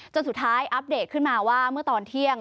สุดท้ายอัปเดตขึ้นมาว่าเมื่อตอนเที่ยง